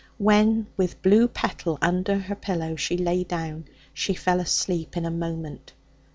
When, with blue petal under her pillow, she lay down, she fell asleep in a moment.